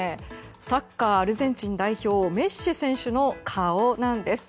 サッカー、アルゼンチン代表メッシ選手の顔なんです。